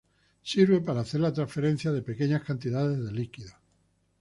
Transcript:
Sirve para hacer la transferencia de pequeñas cantidades de líquidos.